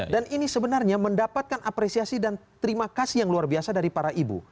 dan ini sebenarnya mendapatkan apresiasi dan terima kasih yang luar biasa dari para ibu